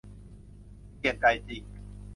เปลี่ยนใจจริง